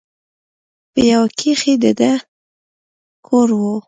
په يوه کښې د ده کور و.